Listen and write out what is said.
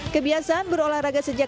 kebiasaan berolahraga sejak